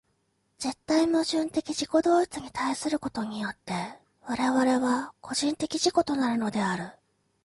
絶対矛盾的自己同一に対することによって我々は個人的自己となるのである。